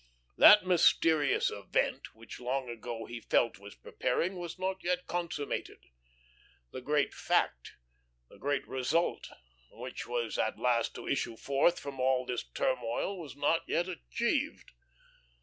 That mysterious event which long ago he felt was preparing, was not yet consummated. The great Fact, the great Result which was at last to issue forth from all this turmoil was not yet achieved.